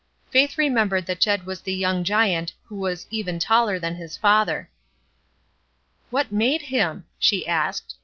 Faith remembered that Jed was the young giant who was ''even taller than his father." ''What made him?" she asked.